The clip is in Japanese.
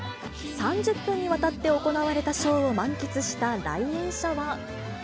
３０分にわたって行われたショーを満喫した来園者は。